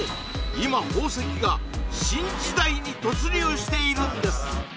今宝石が新時代に突入しているんです！